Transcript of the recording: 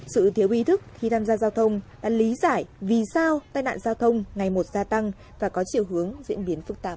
sự thiếu ý thức khi tham gia giao thông đã lý giải vì sao tai nạn giao thông ngày một gia tăng và có chiều hướng diễn biến phức tạp